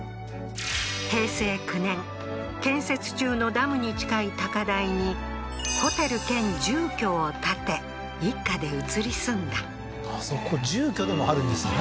平成９年建設中のダムに近い高台にホテル兼住居を建て一家で移り住んだあそこ住居でもあるんですね